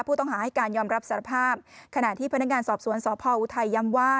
ผู้ต้องหาให้การยอมรับสารภาพขณะที่พนักงานสอบสวนสพออุทัยย้ำว่า